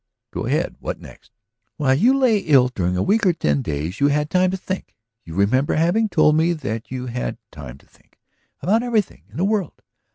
"Go ahead. What next?" "While you lay ill during a week or ten days you had time to think. You remember having told me that you had had time to think about everything in the world?